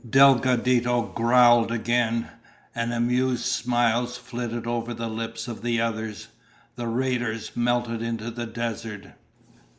Delgadito growled again, and amused smiles flitted over the lips of the others. The raiders melted into the desert.